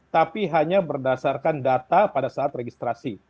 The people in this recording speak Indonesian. tapi hanya berdasarkan data pada saat registrasi